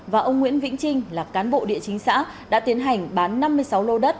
và ông nguyễn vĩnh trinh là cán bộ địa chính xã đã tiến hành bán năm mươi sáu lô đất